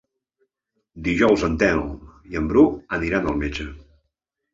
Dijous en Telm i en Bru iran al metge.